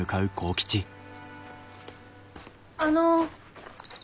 あの。